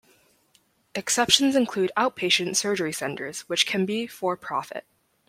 Exceptions include outpatient surgery centers which can be for-profit.